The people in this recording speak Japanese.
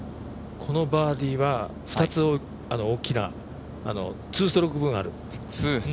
このバーディーは２つ大きな２ストローク分ある。